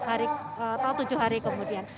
atau tujuh hari kemudian